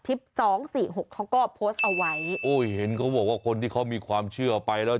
สองสี่หกเขาก็โพสต์เอาไว้โอ้ยเห็นเขาบอกว่าคนที่เขามีความเชื่อไปแล้ว